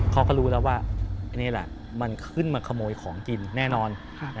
เขาก็รู้แล้วว่านี่แหละมันขึ้นมาขโมยของกินแน่นอน